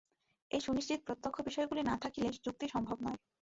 এই সুনিশ্চিত প্রত্যক্ষ বিষয়গুলি না থাকিলে যুক্তি সম্ভব নয়।